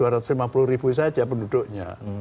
dua ratus lima puluh ribu saja penduduknya